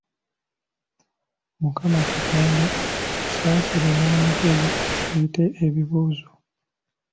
Mukama Katonda tusaasire n'amagezi tuyite ebibuuzo.